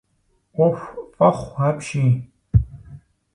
Ӏуэху фӏэхъу апщий.